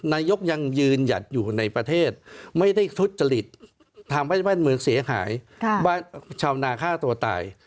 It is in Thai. นายกยังยืนยัดอยู่ในประเทศไม่ได้ทุจริตมันเสียหายบ้านชาวนาฆ่าตัวตาย